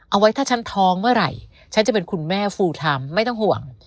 เอาไว้ถ้าฉันท้องเมื่อไหร่ฉันจะเป็นคุณแม่ฟูทำไม่ต้องห่วง